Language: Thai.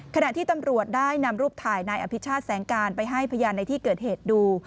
ขณะที่ตำรวจได้นำรูปถ่ายนายอภิชาติแสงการไปให้พยานในที่เกิดเหตุดู